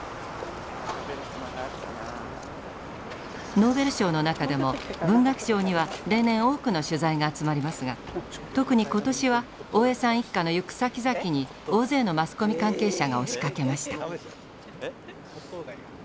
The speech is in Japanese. ノーベル賞の中でも文学賞には例年多くの取材が集まりますが特に今年は大江さん一家の行くさきざきに大勢のマスコミ関係者が押しかけました。